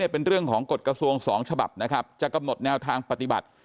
เป็นเรื่องของกฎกระทรวง๒ฉบับนะครับจะกำหนดแนวทางปฏิบัติ